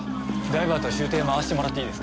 ダイバーと舟艇回してもらっていいですか。